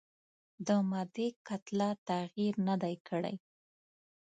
د مادې کتله تغیر نه دی کړی.